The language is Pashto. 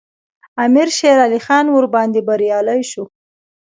امیر شېرعلي خان ورباندې بریالی شو.